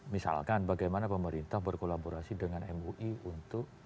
misalkan bagaimana pemerintah berkolaborasi dengan mui untuk